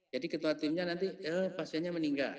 jadi ketua timnya nanti eh pasiennya meninggal